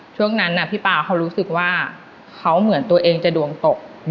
ช่วงนั้นพี่ป่าเขารู้สึกว่าเขาเหมือนตัวเองจะดวงตก